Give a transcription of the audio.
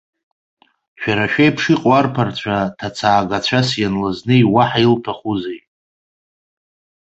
Шәара шәеиԥш иҟоу арԥарцәа ҭацаагацәас ианлызнеи уаҳа илҭахузеи.